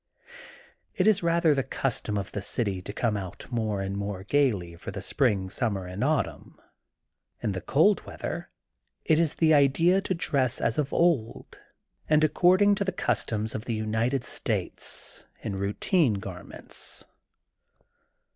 It is rather the custom of the city to come out more and more gaily for the spring, summer and autumn. In the cold weather it is the idea to dress as of old and according to the customs of the United States, in routine gar ments.